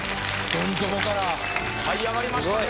どん底からはい上がりましたね。